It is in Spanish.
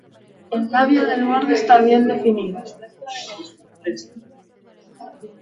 El labio del borde está bien definido excepto en el suroeste.